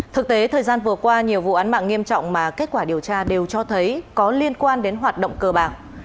thực tế thời gian vừa qua nhiều vụ án mạng nghiêm trọng mà kết quả điều tra đều cho thấy có liên quan đến hoạt động cờ bạc